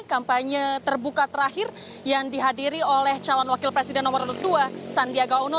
kampanye terbuka terakhir yang dihadiri oleh calon wakil presiden nomor dua sandiaga uno